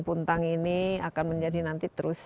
puntang ini akan menjadi nanti terus